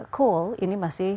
coal ini masih